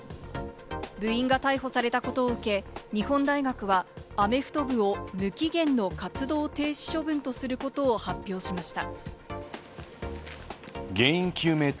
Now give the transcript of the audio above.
部員が逮捕されたことを受け、日本大学はアメフト部を無期限の活動停止処分とすることを発表しました。